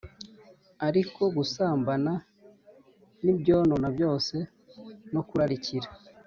Ariko gusambana n ibyonona byose no kurarikira